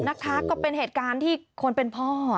นะคะก็เป็นเหตุการณ์ที่คนเป็นพ่อ